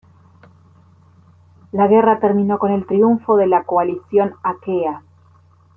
La guerra terminó con el triunfo de la coalición aquea.